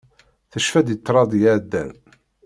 Tecfa-d i ṭṭrad iɛeddan.